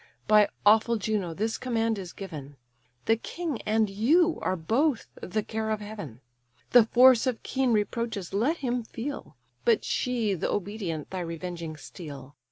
By awful Juno this command is given; The king and you are both the care of heaven. The force of keen reproaches let him feel; But sheathe, obedient, thy revenging steel.